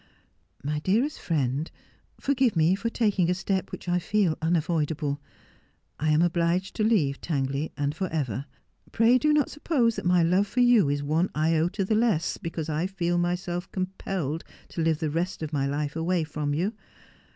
'My dearest friend, — Forgive me for taking a step which I feel unavoidable. I am obliged to leave Tangley, and for ever. Pray do not suppose that my love for you is one iota the less because I feel myself compelled to live the rest of my life away from you.